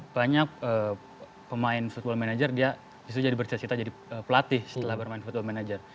banyak pemain football manager dia jadi bercerita cerita jadi pelatih setelah bermain football manager